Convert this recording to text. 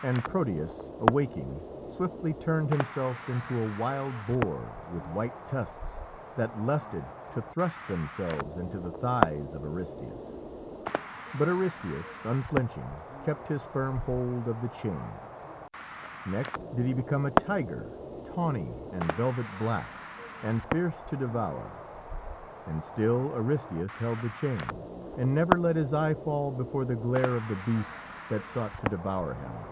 And Proteus, awaking, swiftly turned himself into a wild boar with white tusks that lusted to thrust themselves into the thighs of Aristæus. But Aristæus, unflinching, kept his firm hold of the chain. Next did he become a tiger, tawny and velvet black, and fierce to devour. And still Aristæus held the chain, and never let his eye fall before the glare of the beast that sought to devour him.